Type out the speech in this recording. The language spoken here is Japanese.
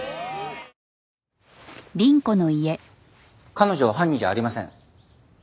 彼女は犯人じゃありません。